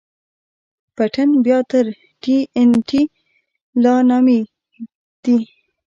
پټن بيا تر ټي ان ټي لا نامي دي.